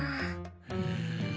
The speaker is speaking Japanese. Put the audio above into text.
うん。